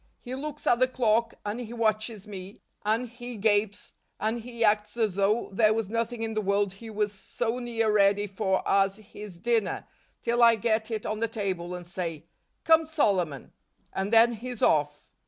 He looks at the clock, and he watches me, and he gapes, and he acts as though there was nothing in the world he was so near ready for as his dinner, till I get it on the table, and say, " Come, Sol¬ omon,' 1 ' and then he's off.